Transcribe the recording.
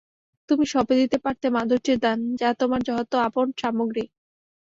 তুমি সঁপে দিতে পারতে মাধুর্যের দান, যা তোমার যথার্থ আপন সামগ্রী।